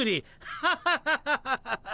ハハハハハハハ。